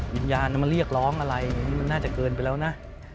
วิญญาณมันเรียกร้องอะไรอย่างนี้มันน่าจะเกินไปแล้วนะ